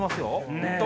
本当？